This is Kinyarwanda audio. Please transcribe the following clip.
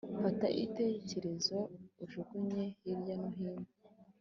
fata igitekerezo ujugunye hirya no hino